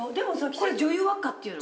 これ女優輪っかって言うの？